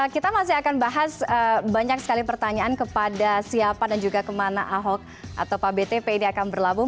kita masih akan bahas banyak sekali pertanyaan kepada siapa dan juga kemana ahok atau pak btp ini akan berlabuh